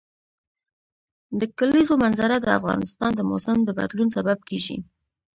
د کلیزو منظره د افغانستان د موسم د بدلون سبب کېږي.